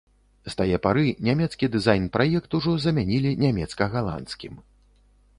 З тае пары нямецкі дызайн-праект ужо замянілі нямецка-галандскім.